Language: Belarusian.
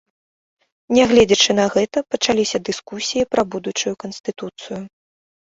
Нягледзячы на гэта, пачаліся дыскусіі пра будучую канстытуцыю.